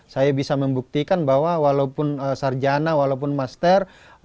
saya bisa membuktikan bahwa walaupun sarjana walaupun master